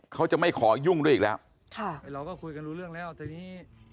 เขาจะไม่ขอยุ่งด้วยอีกแล้วค่ะเราก็คุยกันรู้เรื่องแล้วทีนี้